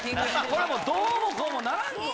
これもうどうもこうもならんぞ。